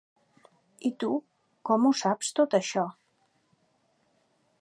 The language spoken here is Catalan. I tu com ho saps, tot això?